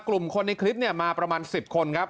กลุ่มคนในคลิปเนี่ยมาประมาณสิบคนครับ